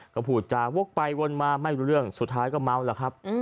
ก็พูดจาวกไปวนมาไม่รู้เรื่องสุดท้ายก็เมาแล้วครับ